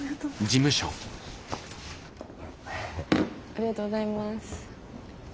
ありがとうございます。